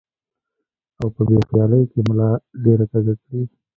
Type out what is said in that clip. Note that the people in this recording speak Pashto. او پۀ بې خيالۍ کښې ملا ډېره کږه کړي ـ